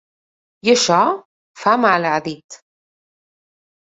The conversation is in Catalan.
I això, fa mal, ha dit.